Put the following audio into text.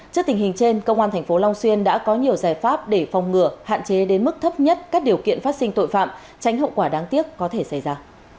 trước tình hình trên công an tp long xuyên đã có nhiều giải pháp để phòng ngừa hạn chế đến mức thấp nhất các điều kiện phát sinh tội phạm tránh hậu quả đáng tiếc có thể xảy ra